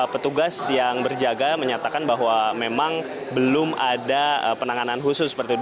petugas yang berjaga menyatakan bahwa memang belum ada penanganan khusus seperti itu